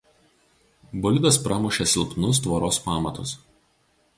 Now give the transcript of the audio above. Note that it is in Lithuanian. Bolidas pramušė silpnus tvoros pamatus.